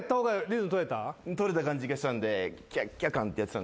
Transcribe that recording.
取れた感じがしたんで「キャッキャ感」ってやってた。